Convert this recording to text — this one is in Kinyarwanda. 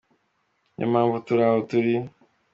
Ni yo mpamvu turi aho turi.